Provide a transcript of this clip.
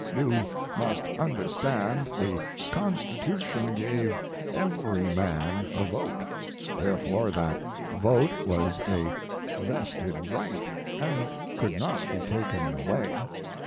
You must understand the constitution gave every man a vote; therefore that vote was a vested right, and could not be taken away.